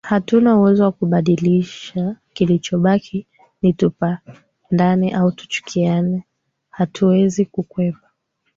Hatuna uwezo wa kulibadilisha kilichobaki ni tupendane au tuchukiane hatuwezi kukwepa